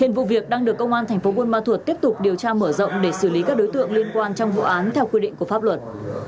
hiện vụ việc đang được công an thành phố buôn ma thuột tiếp tục điều tra mở rộng để xử lý các đối tượng liên quan trong vụ án theo quy định của pháp luật